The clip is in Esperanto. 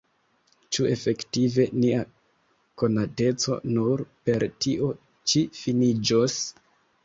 Ĉu efektive nia konateco nur per tio ĉi finiĝos?